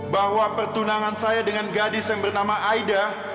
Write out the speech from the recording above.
bahwa pertunangan saya dengan gadis yang bernama aida